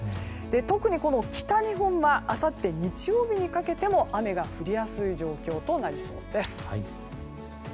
特に、北日本はあさって日曜日にかけても雨が降りやすい状況となりそうです。